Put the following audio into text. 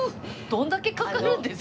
どんだけかかるんですか？